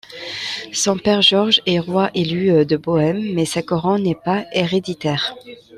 Son père Georges est roi élu de Bohême mais sa couronne n'est pas héréditaire.